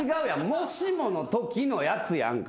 もしものときのやつやんか。